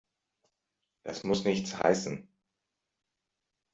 Das muss nichts heißen.